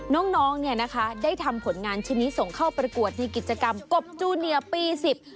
น้องน้องเนี่ยนะคะได้ทำผลงานชิ้นนี้ส่งเข้าประกวดในกิจกรรมกบจูเนียปีสิบ